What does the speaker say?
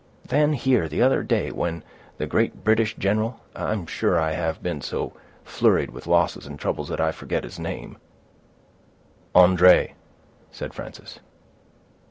Then, here, the other day, when the great British general—I'm sure I have been so flurried with losses and troubles, that I forget his name—" "André," said Frances.